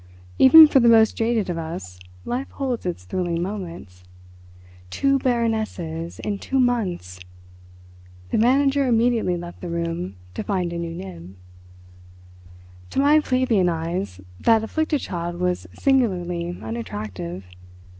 Even for the most jaded of us life holds its thrilling moments. Two Baronesses in two months! The manager immediately left the room to find a new nib. To my plebeian eyes that afflicted child was singularly unattractive.